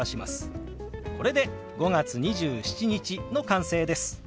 これで「５月２７日」の完成です。